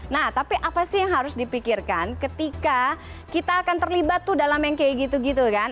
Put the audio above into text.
nah tapi apa sih yang harus dipikirkan ketika kita akan terlibat tuh dalam yang kayak gitu gitu kan